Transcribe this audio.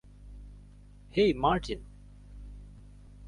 হেই, Martin!